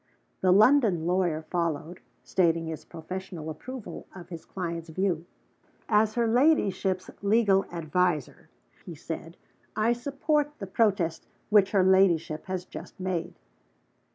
The London lawyer followed, stating his professional approval of his client's view. "As her ladyship's legal adviser," he said, "I support the protest which her ladyship has just made."